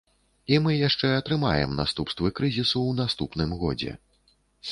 І мы яшчэ атрымаем наступствы крызісу ў наступным годзе.